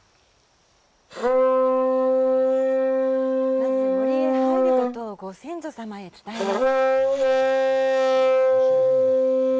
まず、森へ入ることをご先祖様へ伝えます。